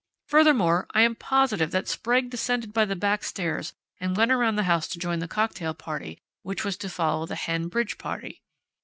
Furthermore, I am positive that Sprague descended by the backstairs and went around the house to join the cocktail party which was to follow the hen bridge party."